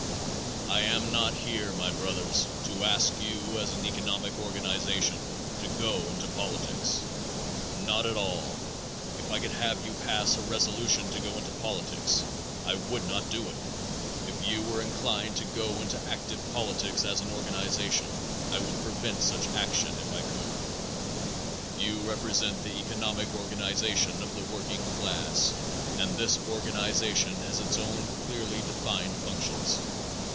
I am not here, my brothers, to ask you, as an economic organization, to go into politics. Not at all. If I could have you pass a resolution to go into politics I would not do it. If you were inclined to go into active politics as an organization I would prevent such action if I could. You represent the economic organization of the working class and this organization has its own clearly defined functions.